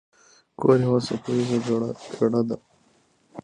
کور یوه څپه ایزه ګړه ده.